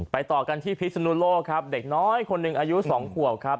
ต่อกันที่พิศนุโลกครับเด็กน้อยคนหนึ่งอายุ๒ขวบครับ